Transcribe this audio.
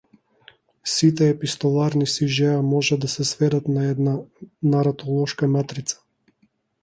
Сите епистоларни сижеа можат да се сведат на една наратолошка матрица.